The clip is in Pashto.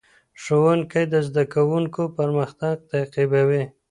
ښوونکی د زدهکوونکو پرمختګ تعقیبوي.